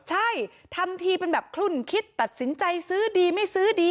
ใช่ทำทีเป็นแบบคลุ่นคิดตัดสินใจซื้อดีไม่ซื้อดี